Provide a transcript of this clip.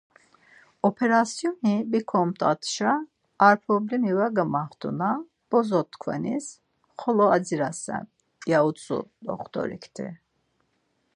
Operasyoni bikomt̆atşa ar problemi var gamaxtu na, bozo tkvanis xolo adzirasen…” ya utzu Doxtorikti.